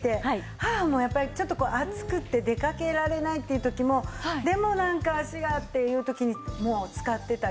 母もやっぱりちょっと暑くて出かけられないっていう時もでもなんか脚がっていう時に使ってたり。